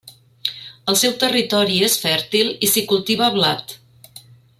El seu territori és fèrtil i s'hi cultiva blat.